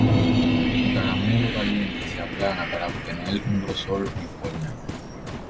El caramelo caliente se aplana para obtener un grosor uniforme.